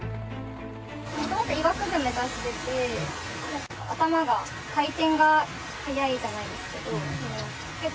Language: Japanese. もともと医学部目指してて、頭の回転が速いじゃないですけど、結構、